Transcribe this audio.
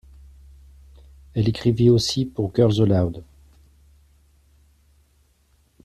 Elle écrivit aussi pour Girls Aloud.